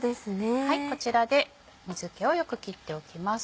こちらで水気をよく切っておきます。